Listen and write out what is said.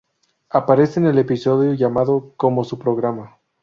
Aparece en el episodio llamado como su programa.